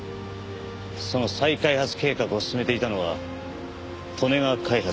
その再開発計画を進めていたのは利根川開発です。